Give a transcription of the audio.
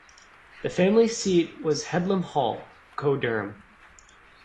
The family seat was Headlam Hall, Co Durham.